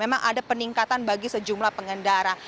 memang ada peningkatan bagi sejumlah pengendara